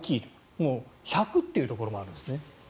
もう１００というところもあるんですね。